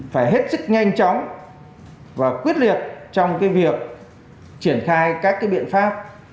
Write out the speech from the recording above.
phải hết sức nhanh chóng và quyết liệt trong việc triển khai các biện pháp